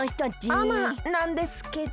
あまなんですけど。